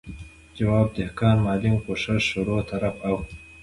جواب، دهقان، معلم، کوشش، شروع، طرف او ...